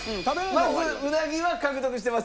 まずうなぎは獲得してます。